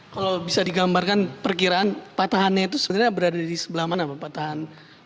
kalau bisa digambarkan perkiraan patahannya itu sebenarnya berada di sebelah mana pak patahan